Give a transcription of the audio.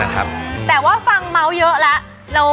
แต่ว่าฟังเมาส์เยอะแล้ว